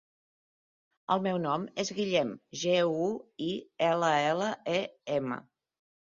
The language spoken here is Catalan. El meu nom és Guillem: ge, u, i, ela, ela, e, ema.